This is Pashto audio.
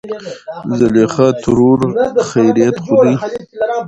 زليخاترور : خېرت خو دى.